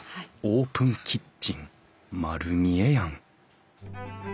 オープンキッチン丸見えやん！